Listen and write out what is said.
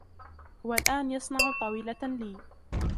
هو الآن يصنع طاولة لي.